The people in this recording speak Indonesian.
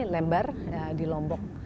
lembar di lombok